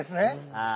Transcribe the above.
ああ。